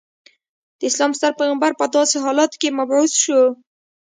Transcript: د اسلام ستر پیغمبر په داسې حالاتو کې مبعوث شو.